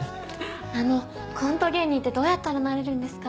あのコント芸人ってどうやったらなれるんですか？